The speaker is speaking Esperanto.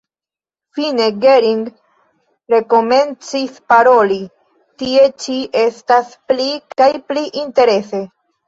Fine Gering rekomencis paroli: « Tie ĉi estas pli kaj pli interese ».